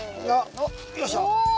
おいしょ！